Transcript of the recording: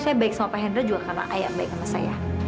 saya baik sama pak hendra juga karena ayah baik sama saya